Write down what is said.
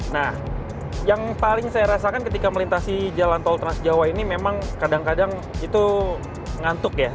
nah yang paling saya rasakan ketika melintasi jalan tol trans jawa ini memang kadang kadang itu ngantuk ya